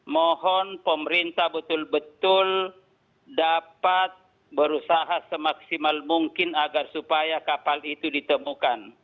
mohon pemerintah betul betul dapat berusaha semaksimal mungkin agar supaya kapal itu ditemukan